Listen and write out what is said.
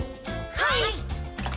はい！